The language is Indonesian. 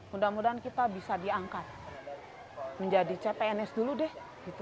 mudah mudahan kita bisa diangkat menjadi cpns dulu deh